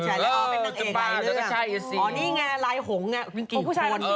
จับป้าตะก็ใช่อย่างนี้เหรอนี่ไงลายหงศ์ไงหงศ์ผู้ชายละพี่